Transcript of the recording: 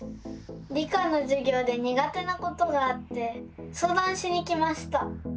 理科のじゅぎょうでにが手なことがあってそうだんしに来ました。